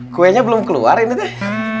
kuenya belum keluar ini deh